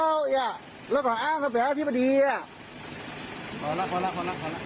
อ่ะแล้วก็อ้างเขาเปลี่ยวอาทิบดีอ่ะพอแล้วพอแล้วพอแล้ว